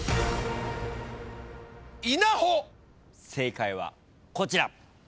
正解はこちら。